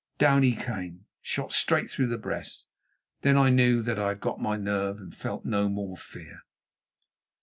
Down he came, shot straight through the breast. Then I knew that I had got my nerve, and felt no more fear.